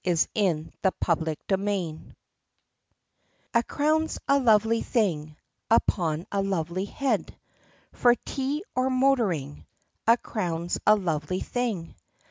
CHAPTER VI A A crown 's a lovely thing. Upon a lovely head. For tea or motoring A crown's a lovely thing.